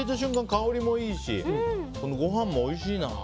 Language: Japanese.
香りもいいしご飯もおいしいな。